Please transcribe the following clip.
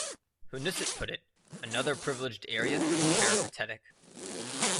Hunnisett put it, Another privileged area was peripatetic.